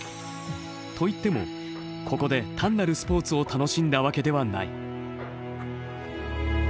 といってもここで単なるスポーツを楽しんだわけではない。